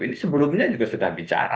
ini sebelumnya juga sudah bicara